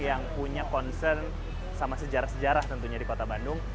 yang punya concern sama sejarah sejarah tentunya di kota bandung